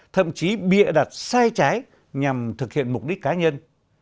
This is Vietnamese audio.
thậm chí bịa đặt sai trái nhằm thực hiện mục đích cá nhân